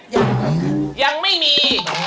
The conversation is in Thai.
ยังไม่ครับยังไม่มี